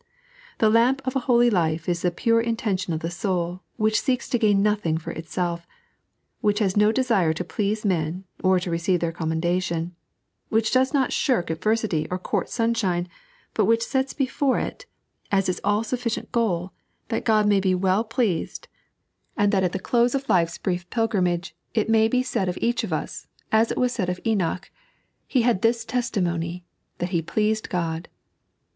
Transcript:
The lamp of a holy life is the pure intention of the soul, which seeks to gain nothing for itself ; which has no desire to please men, or to receive their commendation; which does not shirk adversity or court the sunshine, bnt which sets before it, as 3.n.iized by Google 152 The Intention op the Soul. itif All Bufficieat goal, that Ood ms; be well pleased, and that Kt tbe close of life's brief pilgrimage it may be said of each of us, as it was eaid of Enoch; "He bad this testimony, that be pleased God."